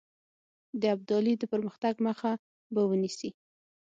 د ابدالي د پرمختګ مخه به ونیسي.